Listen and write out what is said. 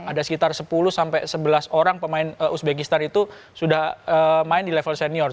ada sekitar sepuluh sampai sebelas orang pemain uzbekistan itu sudah main di level senior